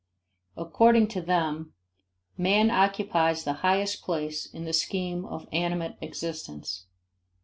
According to them, man occupies the highest place in the scheme of animate existence.